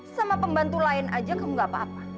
sama pembantu lain aja kamu gak apa apa